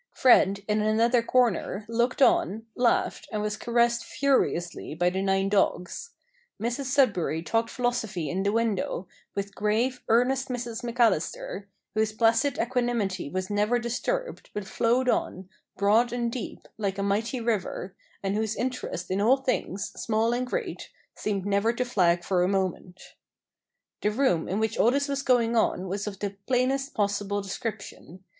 Fred, in another corner, looked on, laughed, and was caressed furiously by the nine dogs. Mrs Sudberry talked philosophy in the window, with grave, earnest Mrs McAllister, whose placid equanimity was never disturbed, but flowed on, broad and deep, like a mighty river, and whose interest in all things, small and great, seemed never to flag for a moment. The room in which all this was going on was of the plainest possible description.